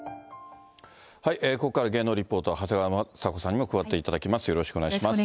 ここからは芸能リポーターの長谷川まさ子さんにも加わっていただきます。